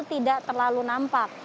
tidak terlalu nampak